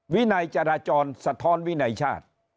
วินัยจราจรสะท้อนวินัยชาติ